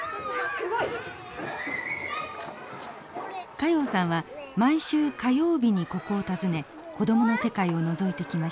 加用さんは毎週火曜日にここを訪ね子供の世界をのぞいてきました。